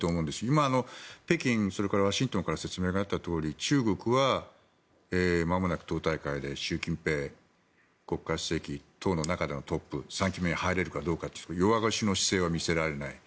今、北京それからワシントンから説明があったとおり中国は、まもなく党大会で習近平国家主席党の中でのトップ３期目に入れるかどうかと弱腰の姿勢は見せられない。